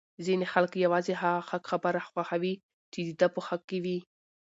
ځینی خلک یوازی هغه حق خبره خوښوي چې د ده په حق کي وی!